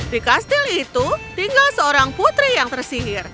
di kastil itu tinggal seorang putri yang tersihir